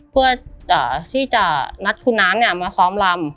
เพื่อที่จะนัดคุณน้ำมาซ้อมลำ